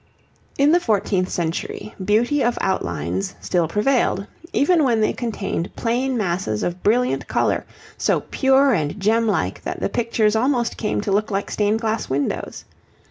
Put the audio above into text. In the fourteenth century, beauty of outlines still prevailed, even when they contained plain masses of brilliant colour so pure and gem like that the pictures almost came to look like stained glass windows.